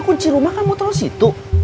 kunci rumah kamu tau di situ